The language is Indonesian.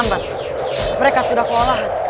mereka sudah kewalahan